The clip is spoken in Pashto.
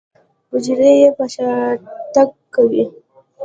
حجرې يې په شاتګ کوي.